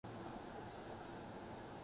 اگر کہیں نہ خداوند، کیا کہیں اُس کو؟